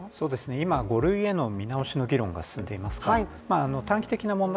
今５類への見直しの議論が進んでいますが、短期的な問題